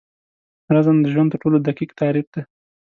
رزم د ژوند تر ټولو دقیق تعریف دی.